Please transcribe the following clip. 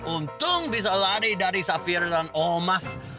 untung bisa lari dari safira dan omas